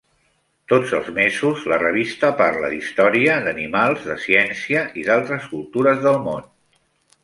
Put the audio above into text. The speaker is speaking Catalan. Tots els mesos, la revista parla d'història, d'animals, de ciència i d'altres cultures del món.